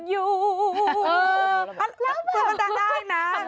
สุดท้ายนะ